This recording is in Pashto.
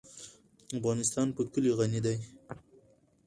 افغانستان په کلي غني دی.